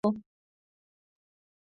শনিবার না হয় আরেক বার দেখব।